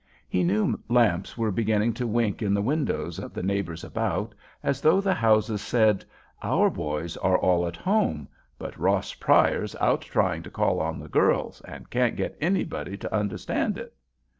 He knew lamps were beginning to wink in the windows of the neighbors about, as though the houses said, "Our boys are all at home—but Ross Pryor's out trying to call on the girls, and can't get anybody to understand it."